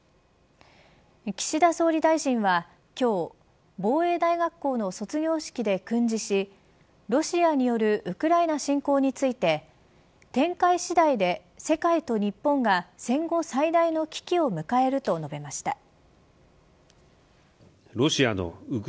岸田総理大臣は今日、防衛大学校の卒業式で訓示しロシアによるウクライナ侵攻について展開次第で世界と日本が戦後最大の危機を迎えると述べました。